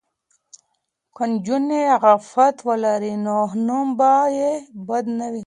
که نجونې عفت ولري نو نوم به یې بد نه وي.